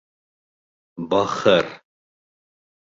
Бахыр!